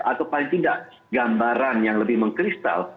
atau paling tidak gambaran yang lebih mengkristal